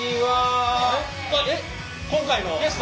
えっ今回のゲスト！？